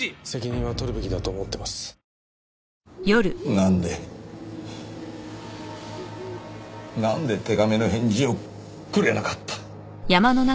なんでなんで手紙の返事をくれなかった？